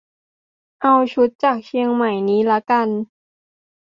เอาชุดจากเชียงใหม่นี้ละกัน